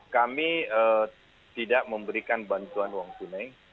kami tidak memberikan bantuan uang tunai